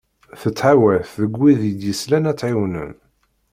Tettḥawat deg wid i d-yeslan ad tt-ɛiwnen.